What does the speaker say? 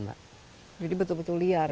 jadi betul betul liar ya